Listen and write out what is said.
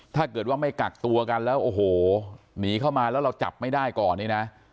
ถ้าเกิดว่าไม่กักตัวกันแล้วโอ้โหหนีเข้ามาแล้วเราจับไม่ได้ก่อนนี่นะ